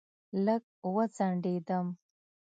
لږ وځنډېدم.